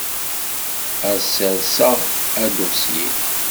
Ad sserseɣ adusyi.